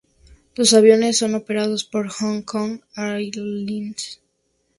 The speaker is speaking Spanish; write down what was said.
Los aviones serán operados por Hong Kong Airlines.